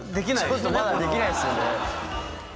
ちょっとまだできないですよね。